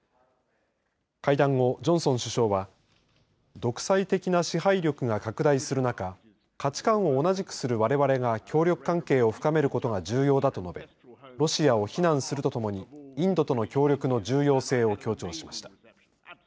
会談後、ジョンソン首相は独裁的な支配力が拡大する中価値観を同じくするわれわれが協力関係を深めることが重要だと述べロシアを非難するとともにインドとの協力の重要性を強調しました。